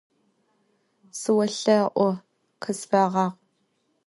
Sıolhe'u, khısfeğeğu!